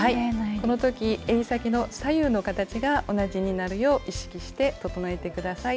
この時えり先の左右の形が同じになるよう意識して整えて下さい。